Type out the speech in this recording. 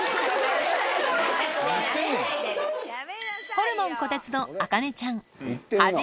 ホルモンこてつの茜ちゃん